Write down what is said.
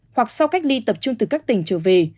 hoặc sau cách ly tập trung từ các tỉnh trở về